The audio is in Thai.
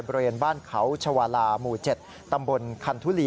บริเวณบ้านเขาชาวาลาหมู่๗ตำบลคันทุลี